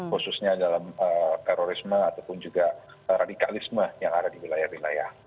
khususnya dalam terorisme ataupun juga radikalisme yang ada di wilayah wilayah